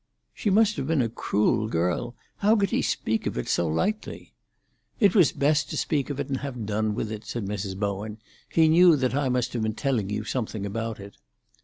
"She must have been a cruel girl. How could he speak of it so lightly?" "It was best to speak of it, and have done with it," said Mrs. Bowen. "He knew that I must have been telling you something about it."